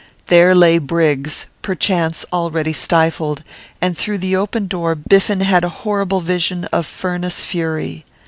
There lay Briggs, perchance already stifled, and through the open door Biffen had a horrible vision of furnace fury.